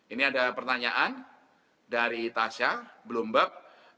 ini ada pertanyaan dari tasya bloomberg